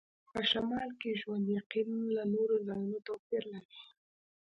په شمال کې ژوند یقیناً له نورو ځایونو توپیر لري